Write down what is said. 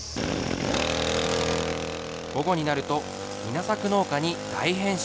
午後になると、稲作農家に大変身。